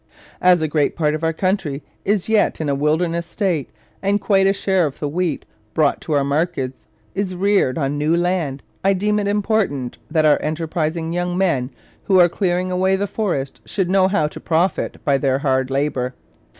As a great part of our County is yet in a wilderness state and quite a share of the wheat brought to our markets is reared on new land, I deem it important that our enterprising young men who are clearing away the forest should know how to profit by their hard labor.